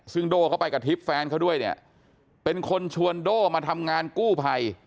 ซึ่งโด่เขาไปกับทิพย์แฟนเขาด้วยเนี่ยเป็นคนชวนโด่มาทำงานกู้ภัย